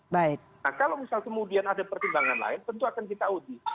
nah kalau misal kemudian ada pertimbangan lain tentu akan kita uji